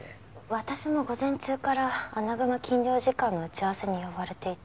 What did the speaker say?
私も午前中から『アナグマ禁猟時間』の打ち合わせに呼ばれていて。